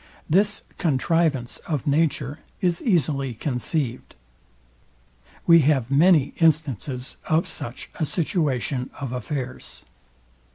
This contrivance of nature is easily conceived. We have many instances of such a situation of affairs.